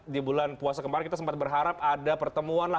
di bulan puasa kemarin kita sempat berharap ada pertemuan